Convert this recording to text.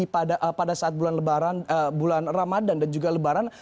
pada saat bulan ramadan dan juga lebaran